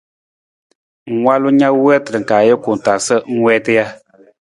Ng walu na na wiitar ka ajuku taa sa ng wiita ja?